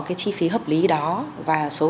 cái chi phí hợp lý đó và số